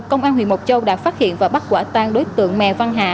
công an huyện mộc châu đã phát hiện và bắt quả tan đối tượng mè văn hạ